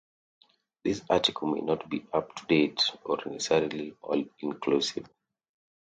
This article may not be up-to-date or necessarily all-inclusive.